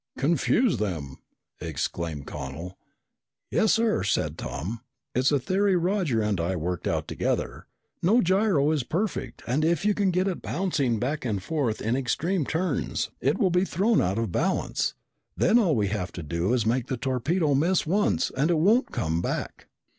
"Confuse them!" exclaimed Connel. "Yes, sir," said Tom. "It's a theory Roger and I worked out together. No gyro is perfect, and if you can get it bouncing back and forth in extreme turns, it will be thrown out of balance. Then all we have to do is make the torpedo miss once and it won't come back."